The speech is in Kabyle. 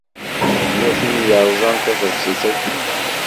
Tella tin i yeṛẓan taḍebsit-aki.